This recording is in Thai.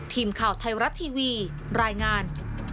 ทีมข่าวไทยรัฐทีวีรายงาน